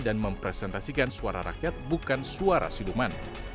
dan mempresentasikan suara rakyat bukan suara siduman